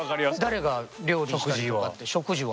誰が料理したりとかって食事は。